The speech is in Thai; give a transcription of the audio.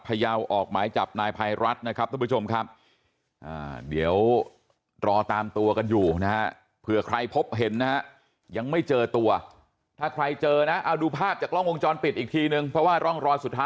เขาออกมาเขาก็ได้มาเจอลูกเจออย่างเขาอยู่